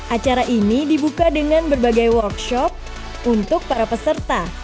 acara ini dibuka dengan berbagai workshop untuk para peserta